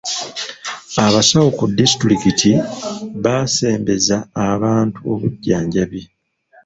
Abasawo ku disitulikiti baasembeza abantu obujjanjabi.